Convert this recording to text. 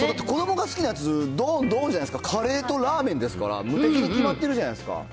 子どもが好きなやつ、どーんどーんじゃないですか、カレーとラーメンですから、無敵に決まってるじゃないですか。